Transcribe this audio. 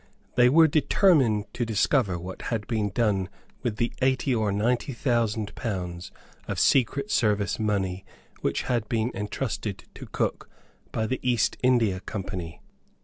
They were determined to discover what had been done with the eighty or ninety thousand pounds of secret service money which had been entrusted to Cook by the East India Company.